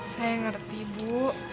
saya ngerti bu